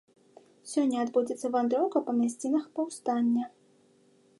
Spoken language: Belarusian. Сёння адбудзецца вандроўка па мясцінах паўстання.